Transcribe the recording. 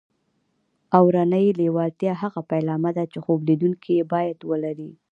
اورنۍ لېوالتیا هغه پیلامه ده چې خوب لیدونکي یې باید ولري